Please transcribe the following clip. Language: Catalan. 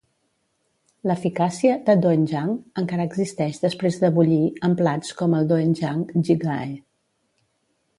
L'eficàcia de "Doenjang" encara existeix després de bullir, en plats com el "doenjang jjigae".